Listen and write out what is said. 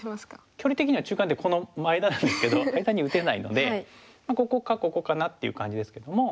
距離的には中間点この間なんですけど間に打てないのでここかここかなっていう感じですけども。